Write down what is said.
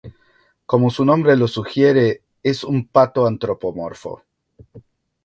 Como su nombre lo sugiere, es un pato antropomorfo.